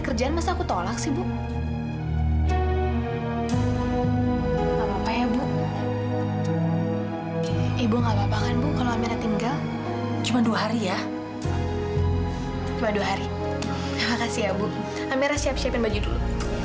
terima kasih ya bu amerah siap siapin baju dulu